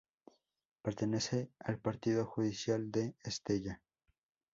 Pertenece al partido judicial de Estella.